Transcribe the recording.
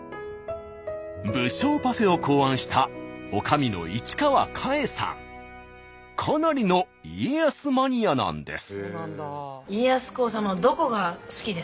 武将パフェを考案したかなりの家康マニアなんです。